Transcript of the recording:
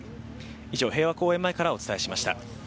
以上、平和公園前からお伝えしました。